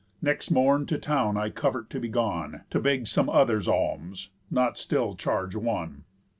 Next morn to town I covet to be gone, To beg some others' alms, not still charge one.